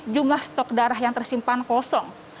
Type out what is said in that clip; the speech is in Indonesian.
jumlah stok darah yang tersimpan kosong